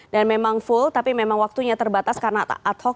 dan memang full tapi memang waktunya terbatas karena ad hoc